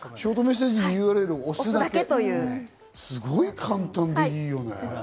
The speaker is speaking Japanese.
ショートメッセージのＵＲＬを押すだけ、すごい簡単でいいよね。